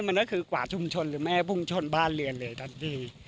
มันก็คือกว่าชุมชนหรือไม่พุ่งชนบ้านเรือนเลยทันที